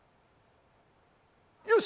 よし！